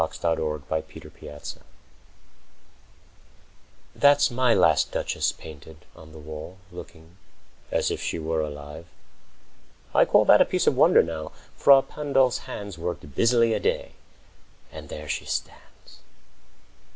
40 MY LAST DUCHESS FERRARA That's my last Duchess painted on the wall, Looking as if she were alive. I call That piece a wonder, now: Frà Pandolf's hands Worked busily a day, and there she stands.